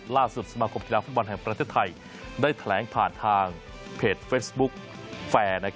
สมาคมกีฬาฟุตบอลแห่งประเทศไทยได้แถลงผ่านทางเพจเฟซบุ๊กแฟร์